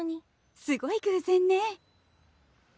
すごい偶然ね。